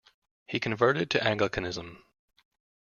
He converted to Anglicanism.